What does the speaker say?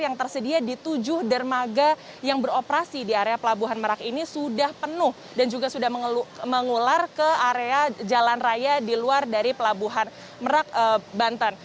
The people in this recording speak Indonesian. yang tersedia di tujuh dermaga yang beroperasi di area pelabuhan merak ini sudah penuh dan juga sudah mengular ke area jalan raya di luar dari pelabuhan merak banten